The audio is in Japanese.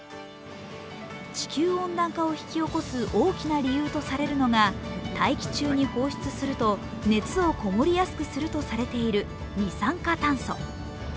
地球温暖化を引き起こす大きな理由とされるのが大気中に放出すると熱をこもりやすくするとされている二酸化炭素。